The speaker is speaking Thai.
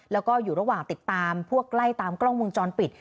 แล้วก็อยู่ระหว่างติดตามพวกไล่ตามกล้องวงจรปิด